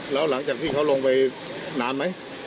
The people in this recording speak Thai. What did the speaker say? แล้วหลังจากที่เขาลงไปนานไหม